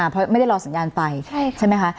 เพราะไม่ได้รอสัญญาณไปใช่ไหมคะ